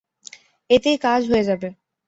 এতেই কাজ হয়ে যাবে।